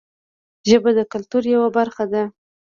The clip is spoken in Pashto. ژبه د کلتور یوه برخه ده